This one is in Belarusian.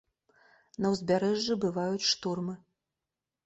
На ўзбярэжжы бываюць штормы.